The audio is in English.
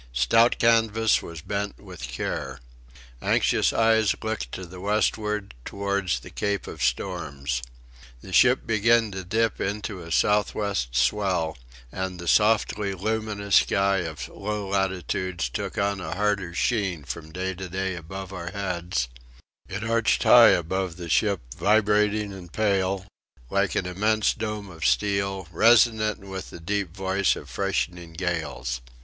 Stout canvas was bent with care. Anxious eyes looked to the westward, towards the cape of storms. The ship began to dip into a southwest swell, and the softly luminous sky of low latitudes took on a harder sheen from day to day above our heads: it arched high above the ship vibrating and pale, like an immense dome of steel, resonant with the deep voice of freshening gales.